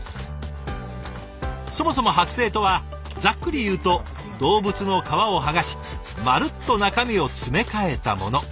そもそも剥製とはざっくり言うと動物の皮を剥がしまるっと中身を詰め替えたもの。